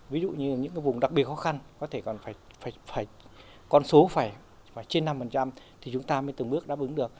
ví dụ như những vùng đặc biệt khó khăn có thể còn số phải trên năm thì chúng ta mới từng bước đáp ứng được